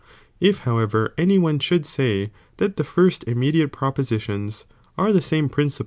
'l' If however any one should say that the KunyM^cm firs' immediate propositions are the same princi ■Idiib.